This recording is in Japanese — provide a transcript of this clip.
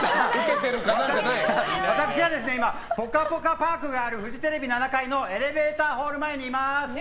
私はぽかぽかパークがあるフジテレビ７階のエレベーターホール前にいます。